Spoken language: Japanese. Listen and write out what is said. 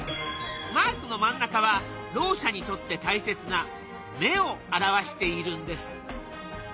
マークの真ん中はろう者にとって大切な「目」を表しているんです。